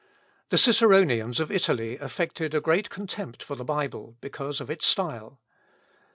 The Ciceronians of Italy affected great contempt for the Bible because of its style.